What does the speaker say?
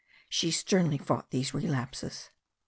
She sternly fought these relapses.